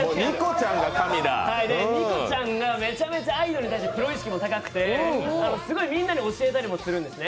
にこちゃんがめちゃめちゃアイドルに対してプロ意識も高くてすごいみんなに教えたりもするんですね。